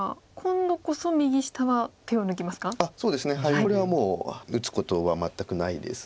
これはもう打つことは全くないです。